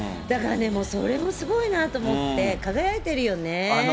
だからね、もうそれもすごいなと思って、輝いてるよね。